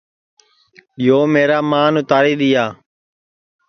یوں میرا مان اُتاری دؔیا